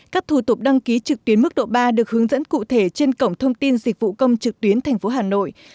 các thủ tục đăng ký trực tuyến mức độ ba được hướng dẫn cụ thể trên cổng thông tin dịch vụ công trực tuyến tp hà nội